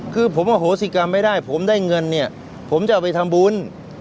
คือผมอโหสิกรรมไม่ได้ผมได้เงินเนี่ยผมจะเอาไปทำบุญ